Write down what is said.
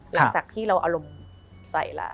หลังจากที่เราอารมณ์ใส่แล้ว